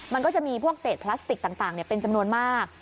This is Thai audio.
มันก็จะมีพวกเศษพลาสติกต่างเป็นจำนวนมาก